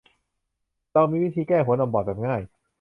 เรามีวิธีแก้หัวนมบอดแบบง่าย